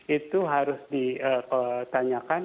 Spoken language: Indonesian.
itu harus ditanyakan